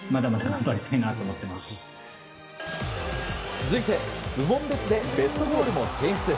続いて部門別でベストゴールも選出。